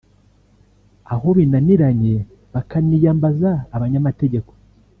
aho binaniranye bakaniyambaza abanyamategeko